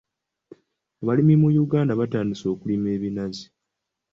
Abalimi mu Uganda batandise okulima ebinazi.